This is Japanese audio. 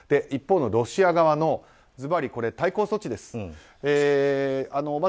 一方、ロシア側の対抗措置です。